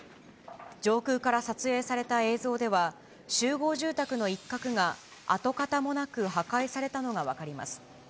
上空から撮影された映像では、集合住宅の一角が、跡形もなく破壊されたのが分かります。